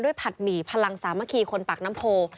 ผัดหมี่พลังสามัคคีคนปากน้ำโพ